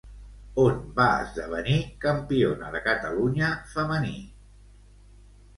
On va esdevenir campiona de Catalunya femení?